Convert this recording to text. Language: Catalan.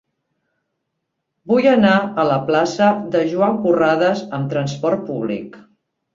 Vull anar a la plaça de Joan Corrades amb trasport públic.